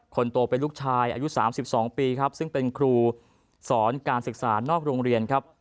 คนโตเป็นลูกชายอายุ๓๒ปีครับซึ่งเป็นครูสอนการศึกษานอกโรงเรียนครับ